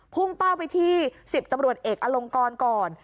พุ่งเป้าไปที่๑๐ตำรวจเอกอลงกรก่อน